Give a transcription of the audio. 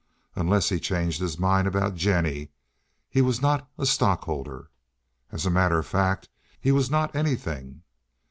Unless he changed his mind about Jennie, he was not a stockholder. As a matter of fact, he was not anything.